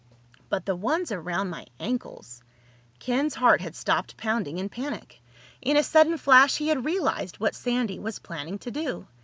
But the ones around my ankles—" Ken's heart had stopped pounding in panic. In a sudden flash he had realized what Sandy was planning to do.